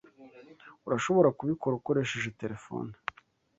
Urashobora kubikora ukoresheje terefone.